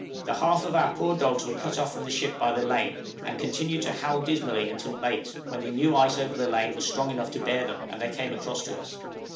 The half of our poor dogs were cut off from the ship by the lane, and continued to howl dismally until late, when the new ice over the lane was strong enough to bear them, and they came across to us.